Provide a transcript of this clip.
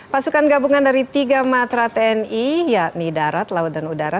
pasukan gabungan dari tiga matra tni yakni darat laut dan udara